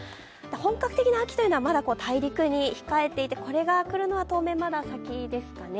本格的な秋はまだ大陸に控えていて、これが来るのは当面まだ先ですかね。